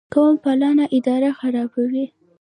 قوم پالنه اداره خرابوي